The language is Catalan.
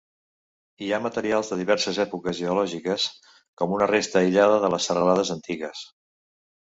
Hi ha materials de diverses èpoques geològiques, com una resta aïllada de les serralades antigues.